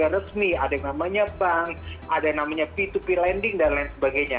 ada resmi ada yang namanya bank ada yang namanya p dua p lending dan lain sebagainya